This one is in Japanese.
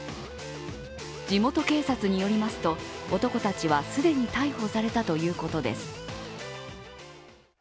地元警察によりますと、男たちは既に逮捕されたということです。